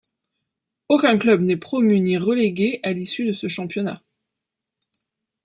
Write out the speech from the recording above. Aucun club n'est promu ni relégué à l'issue de ce championnat.